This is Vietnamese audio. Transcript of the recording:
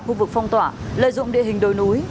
khu vực phong tỏa lợi dụng địa hình đồi núi